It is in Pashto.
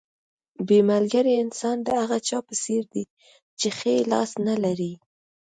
بې ملګري انسان د هغه چا په څېر دی چې ښی لاس نه لري.